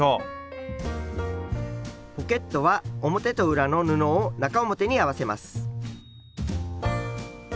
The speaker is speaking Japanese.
ポケットは表と裏の布を中表に合わせます。